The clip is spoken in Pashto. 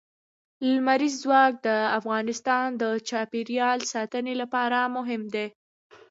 لمریز ځواک د افغانستان د چاپیریال ساتنې لپاره مهم دي.